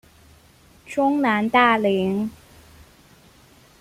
中南大羚。